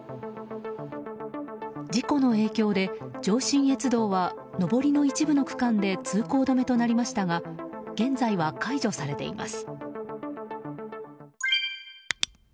事故の影響で、上信越道は上りの一部の区間で通行止めとなりましたが現在は解除されています。